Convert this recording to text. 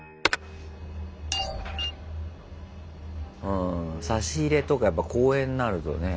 うん差し入れとかやっぱ公演なるとね。